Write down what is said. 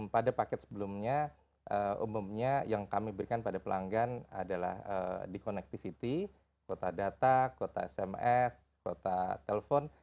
pada paket sebelumnya umumnya yang kami berikan pada pelanggan adalah di connectivity kuota data kuota sms kuota telpon